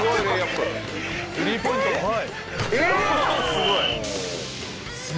すごい。